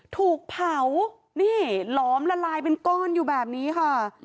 ถูกเผานี่หลอมละลายเป็นก้อนอยู่แบบนี้ค่ะ